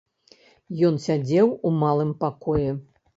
Ён сядзеў у малым пакоі.